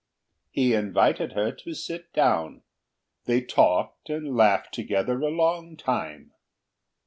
He invited her to sit down; they talked and laughed together a long time.